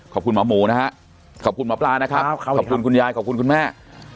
ขอบคุณหมอหมูนะฮะขอบคุณหมอปลานะครับขอบคุณคุณยายขอบคุณคุณแม่